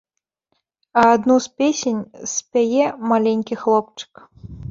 А адну з песень спяе маленькі хлопчык.